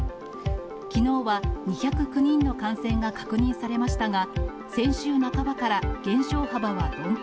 きのうは２０９人の感染が確認されましたが、先週半ばから減少幅は鈍化。